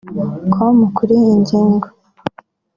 com kuri iyi ngingo